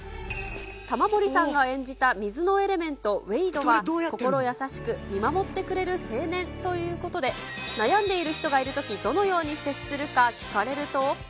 玉森さんが演じた水のエレメント、ウェイドは、心優しく見守ってくれる青年ということで、悩んでいる人がいるとき、どのように接するか聞かれると。